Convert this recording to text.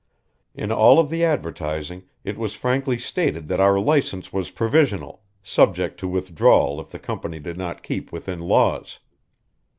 In all of the advertising it was frankly stated that our license was provisional, subject to withdrawal if the company did not keep within laws.